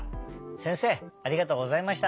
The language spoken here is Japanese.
せんせいありがとうございました。